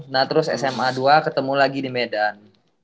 nah terus sma dua ketemu lagi di medan